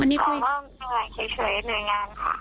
วันนี้คุยอย่างไรแค่เฉยนวยงานค่ะ